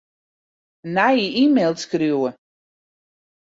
Nije e-mail skriuwe.